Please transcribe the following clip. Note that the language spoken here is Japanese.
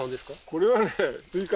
これはね